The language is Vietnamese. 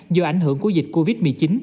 do ảnh hưởng của dịch covid một mươi chín